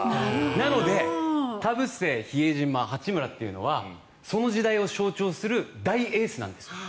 なので、田臥、比江島八村というのはその時代を象徴する大エースなんです。